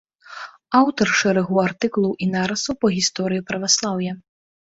Аўтар шэрагу артыкулаў і нарысаў па гісторыі праваслаўя.